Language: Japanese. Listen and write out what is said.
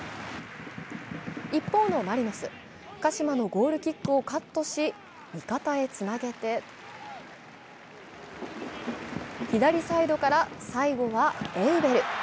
一方のマリノス、鹿島のゴールキックをカットし、味方へつなげて左サイドから最後はエウベル。